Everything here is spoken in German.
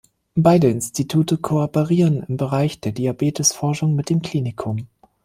Beide Institute kooperieren im Bereich der Diabetesforschung mit dem Klinikum.